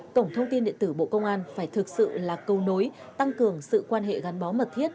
cổng thông tin điện tử bộ công an phải thực sự là câu nối tăng cường sự quan hệ gắn bó mật thiết